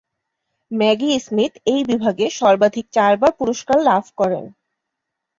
Maggi Smith এই বিভাগে সর্বাধিক চারবার পুরস্কার লাভ করেন।